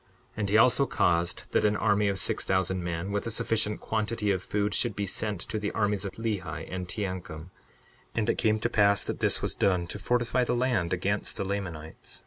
62:13 And he also caused that an army of six thousand men, with a sufficient quantity of food, should be sent to the armies of Lehi and Teancum. And it came to pass that this was done to fortify the land against the Lamanites.